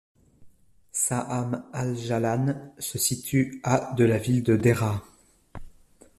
Saham al-Jawlan se situe à de la ville de Deraa.